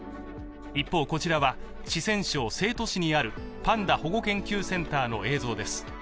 一方こちらは、四川省成都市にあるパンダ保護研究センターの映像です。